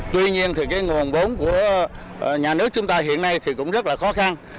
tuy nhiên thì cái nguồn vốn của nhà nước chúng ta hiện nay thì cũng rất là khó khăn